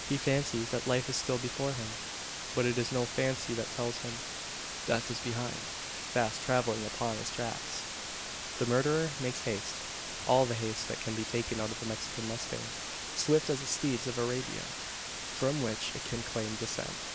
He fancies that life is still before him; but it is no fancy that tells him, death is behind fast travelling upon his tracks! The murderer makes haste all the haste that can be taken out of a Mexican mustang swift as the steeds of Arabia, from which it can claim descent.